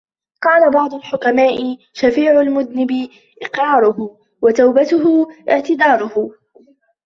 وَقَالَ بَعْضُ الْحُكَمَاءِ شَفِيعُ الْمُذْنِبِ إقْرَارُهُ ، وَتَوْبَتُهُ اعْتِذَارُهُ